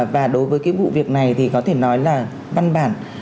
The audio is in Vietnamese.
và đối với cái vụ việc này thì có thể nói là văn bản